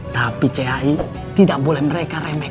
tapi ciraus tidak bisa mencuri harta warisan tersebut